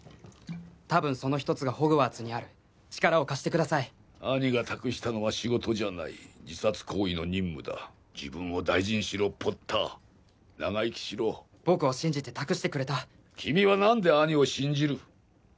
たぶんその一つがホグワーツにある力を貸してください兄が託したのは仕事じゃない自殺行為の任務だ自分を大事にしろポッター長生きしろ僕を信じて託してくれた君は何で兄を信じる？